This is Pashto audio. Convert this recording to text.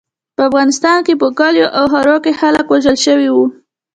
په افغانستان کې په کلیو او ښارونو کې خلک وژل شوي وو.